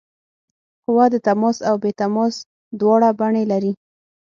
قوه د تماس او بې تماس دواړه بڼې لري.